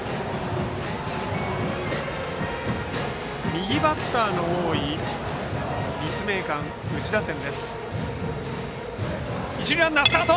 右バッターの多い立命館宇治打線。